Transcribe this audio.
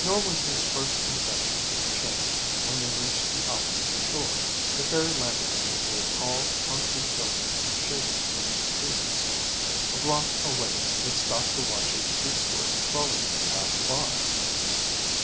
Nor was his first impression changed when they reached the opposite shore. The ferry landed them before tall, concrete buildings that shaded clean streets. A block away they stopped to watch a three story trolley pass by.